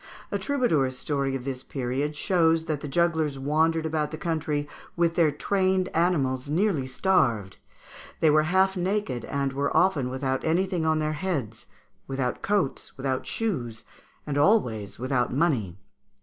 A troubadour's story of this period shows that the jugglers wandered about the country with their trained animals nearly starved; they were half naked, and were often without anything on their heads, without coats, without shoes, and always without money.